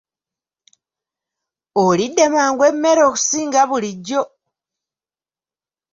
Olidde mangu emmere okusinga bulijjo!